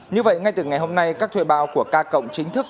như vậy ngay từ ngày hôm nay các thuê bao của k cộng chính thức